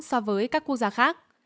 so với các quốc gia khác